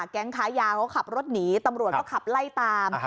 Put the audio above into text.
แก๊งค้ายาเขาขับรถหนีตำรวจก็ขับไล่ตาม